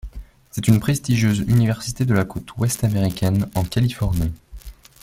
C’est une prestigieuse université de la côte ouest américaine, en Californie.